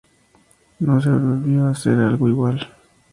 No se volvió a hacer algo igual".